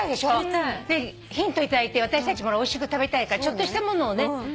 ヒントいただいて私たちもおいしく食べたいからちょっとしたものをね。